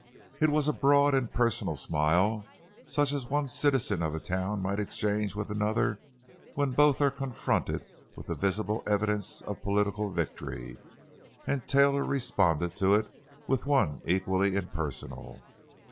It was a broad, impersonal smile, such as one citizen of a town might exchange with another when both are confronted with the visible evidences of political victory; and Taylor responded to it with one equally impersonal.